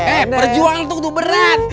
eh perjuangan itu berat